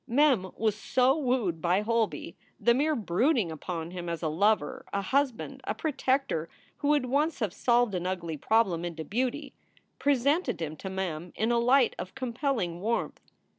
Mem was so wooed by Holby. The mere brooding upon him as a lover, a husband, a protector who would once have solved an ugly problem into beauty, presented him to Mem in a light of compelling warmth.